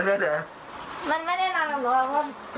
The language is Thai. ใช่ต้องไปนอนตรงนู้น